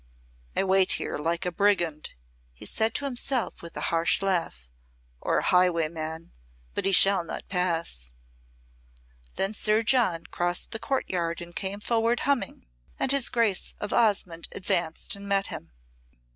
"I wait here like a brigand," he said to himself with a harsh laugh, "or a highwayman but he shall not pass." Then Sir John crossed the courtyard and came forward humming, and his Grace of Osmonde advanced and met him.